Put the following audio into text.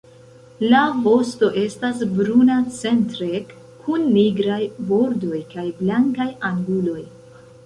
La vosto estas bruna centre, kun nigraj bordoj kaj blankaj anguloj.